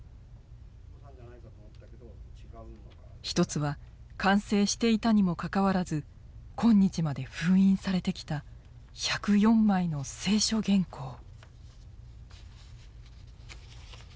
一つは完成していたにもかかわらず今日まで封印されてきた１０４枚の清書原稿。